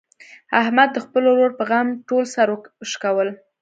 احمد د خپل ورور په غم ټول سر و شکولو.